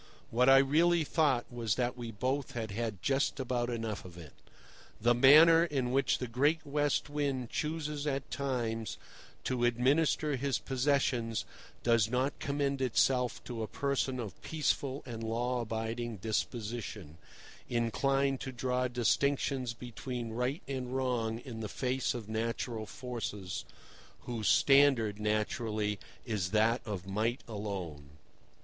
What I really thought was that we both had had just about enough of it. The manner in which the great West Wind chooses at times to administer his possessions does not commend itself to a person of peaceful and law abiding disposition, inclined to draw distinctions between right and wrong in the face of natural forces, whose standard, naturally, is that of might alone.